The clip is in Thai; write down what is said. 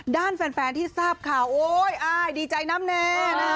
ด้านแฟนที่ทราบข่าวโอ๊ยอ้ายดีใจน้ำแน่